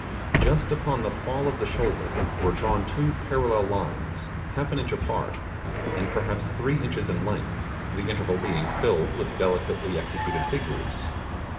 Just upon the fall of the shoulder were drawn two parallel lines half an inch apart, and perhaps three inches in length, the interval being filled with delicately executed figures.